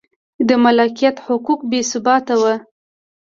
د مالکیت حقوق بې ثباته و